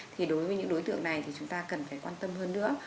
thì đối với những đối tượng này thì chúng ta cần phải quan tâm hơn nữa